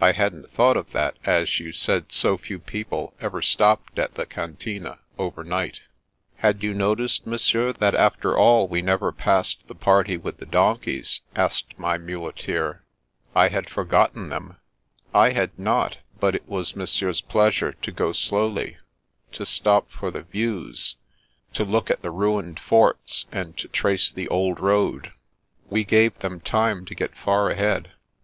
I hadn't thought of that, as you said so few people ever stopped at the Cantine over night" " Had you noticed, Monsieur, that after all we never passed the party with the donkeys?" asked my muleteer. " I had forgotten them." I had not, but it was Monsieur's pleasure to go slowly; to stop for the views, to look at the ruined forts, and to trace the old road. We gave them time to get far ahead.